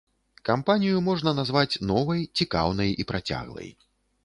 Кампанію можна назваць новай, цікаўнай, і працяглай.